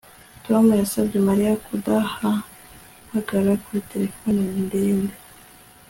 Tom yasabye Mariya kudahamagara kuri telefone ndende